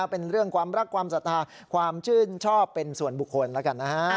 เป็นเรื่องความรักความศรัทธาความชื่นชอบเป็นส่วนบุคคลแล้วกันนะฮะ